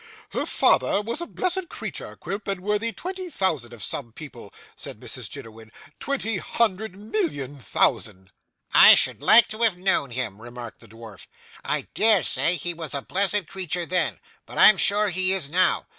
'Her father was a blessed creetur, Quilp, and worthy twenty thousand of some people,' said Mrs Jiniwin; 'twenty hundred million thousand.' 'I should like to have known him,' remarked the dwarf. 'I dare say he was a blessed creature then; but I'm sure he is now.